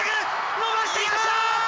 伸ばしてきました！